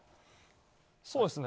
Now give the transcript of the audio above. そうですね。